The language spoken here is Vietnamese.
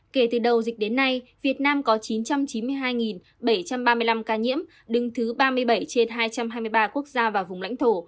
kể từ đầu dịch đến nay việt nam có chín trăm chín mươi hai bảy trăm ba mươi năm ca nhiễm đứng thứ ba mươi bảy trên hai trăm hai mươi ba quốc gia và vùng lãnh thổ